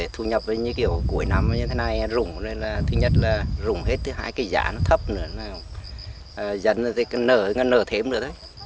thu nhập như kiểu cuối năm như thế này rủng thứ nhất là rủng hết thứ hai cái giá nó thấp nữa dần nó nở nó nở thêm nữa đấy